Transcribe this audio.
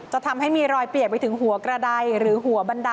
จะทำให้มีรอยเปรียกไปถึงหัวกระดาย